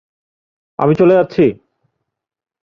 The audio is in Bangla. আমি চলে যাচ্ছি!